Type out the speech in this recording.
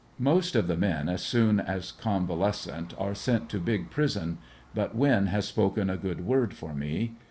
Most of the men as soon as convalescent are sent to big prison, but Winn has spoken a good word for me.